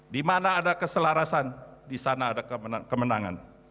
di mana ada keselarasan di sana ada kemenangan